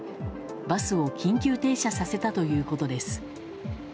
バスを緊急停車させたということです。